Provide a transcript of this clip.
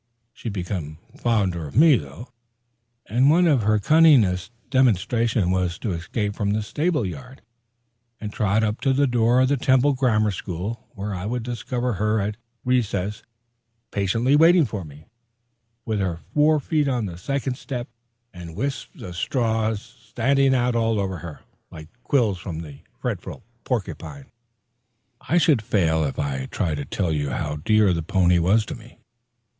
She became fonder of me, though; and one of her cunningest demonstrations was to escape from the stable yard, and trot up to the door of the Temple Grammar School, where I would discover her at recess patiently waiting for me, with her fore feet on the second step, and wisps of straw standing out all over her, like quills upon the fretful porcupine. I should fail if I tried to tell you how dear the pony was to me.